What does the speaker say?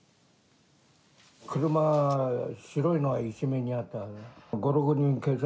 車に白いのが一面にあった。